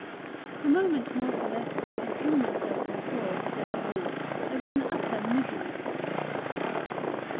The moment Martha left me I threw myself on the floor of the desert room. I was in utter misery.